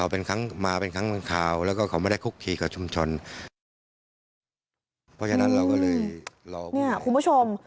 เพราะฉะนั้นเราก็เลยเนี่ยคุณผู้ชม